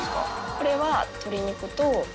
これは。